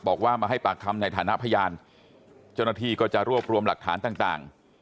บอกว่ามาให้ปากคำในฐานะพยานเจ้าหน้าที่ก็จะรวบรวมหลักฐานต่าง